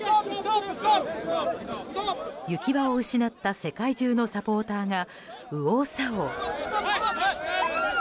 行き場を失った世界中のサポーターが右往左往。